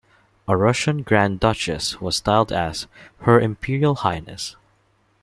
A Russian Grand Duchess was styled as, "Her Imperial Highness".